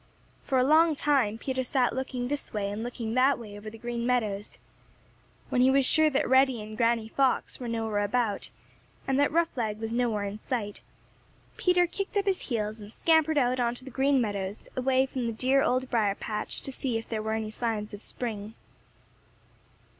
For a long time Peter sat looking this way and looking that way over the Green Meadows. When he was sure that Reddy and Granny Fox were nowhere about, and that Roughleg was nowhere in sight, Peter kicked up his heels and scampered out on to the Green Meadows away from the dear Old Briar patch to see if there were any signs of spring.